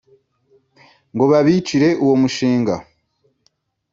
ngo babicire uwo mushinga